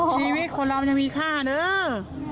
ชีวิตคนเรายังมีค่าเลย